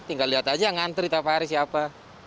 tinggal lihat aja ngantri setiap hari siapa